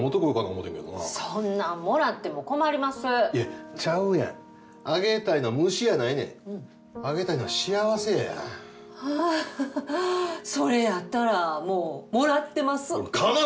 思てんけどなそんなんもらっても困りますいやあげたいの虫やないねんあげたいのは幸せやはあーははそれやったらもうもらってますかな